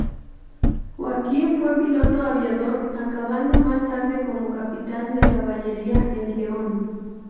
Joaquín fue piloto aviador, acabando más tarde como Capitán de Caballería en León.